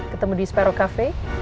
ketemu di sparrow cafe